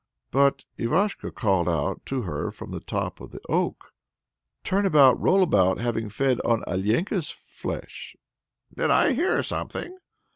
But Ivashko called out to her from the top of the oak: "Turn about, roll about, having fed on Alenka's flesh!" "Did I hear something?"